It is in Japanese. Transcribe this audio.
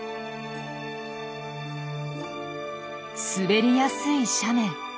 滑りやすい斜面。